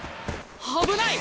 危ない！